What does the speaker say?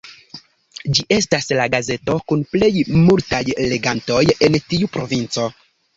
Ĝi estas la gazeto kun plej multaj legantoj en tiu provinco.